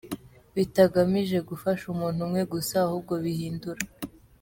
bitagamije gufasha umuntu umwe gusa ahubwo bihindura